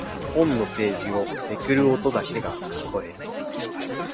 本のページをめくる音だけが聞こえる。